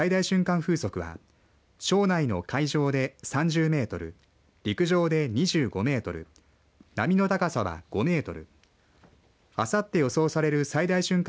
風速は庄内の海上で３０メートル陸上で２５メートル波の高さは５メートルあさって予想される最大瞬間